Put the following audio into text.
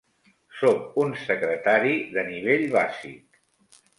Soc un secretari de nivell bàsic.